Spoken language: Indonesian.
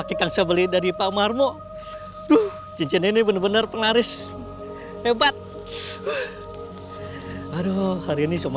yang saya beli dari pak marmo tuh cincin ini bener bener penarik hebat aduh hari ini cuma